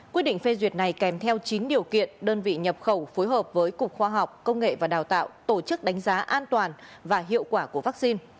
quyết định phê duyệt này kèm theo chín điều kiện đơn vị nhập khẩu phối hợp với cục khoa học công nghệ và đào tạo tổ chức đánh giá an toàn và hiệu quả của vaccine